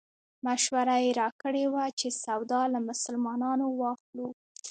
مشوره یې راکړې وه چې سودا له مسلمانانو واخلو.